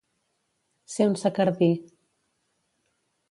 Ser un secardí.